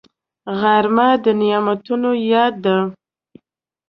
غرمه د نعمتونو یاد ده